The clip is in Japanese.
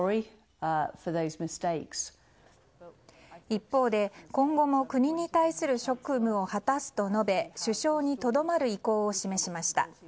一方で、今後も国に対する職務を果たすと述べ首相にとどまる意向を示しました。